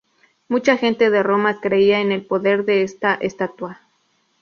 Mucha gente de Roma creía en el poder de esta estatua.